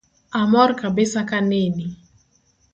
Amor kabisa kaneni